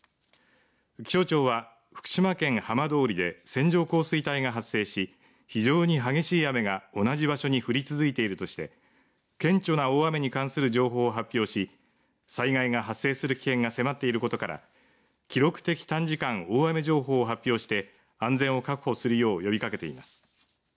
気象庁は福島県浜通りで線状降水帯が発生し非常に激しい雨が同じ場所に降り続いているとして顕著な大雨に関する情報を発表し災害が発生する危険が迫っていることから記録的短時間大雨情報を発表して安全を確保するよう呼びかけています。